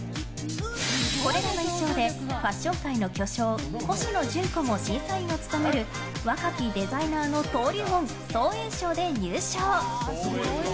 これらの衣装でファッション界の巨匠コシノジュンコも審査員を務める若きデザイナーの登竜門装苑賞で入賞！